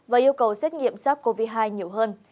và yêu cầu xét nghiệm sars cov hai nhiều hơn